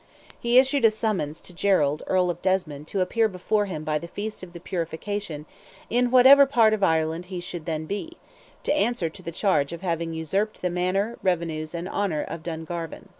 He issued a summons to Gerald, Earl of Desmond, to appear before him by the feast of the Purification "in whatever part of Ireland he should then be," to answer to the charge of having usurped the manor, revenues, and honour of Dungarvan.